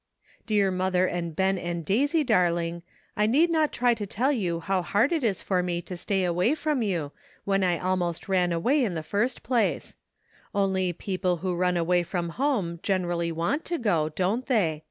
Dear mother and Ben and Daisy darling, I neod not try to tell how hard it is for me to stay away from you when I almost ran away in the first place; only people who run away from home generally want to go, don't they?